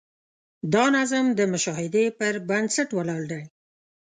دا نظم د مشاهدې پر بنسټ ولاړ دی.